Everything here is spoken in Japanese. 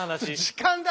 時間だ！